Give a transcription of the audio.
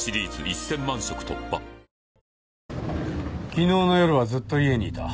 昨日の夜はずっと家にいた。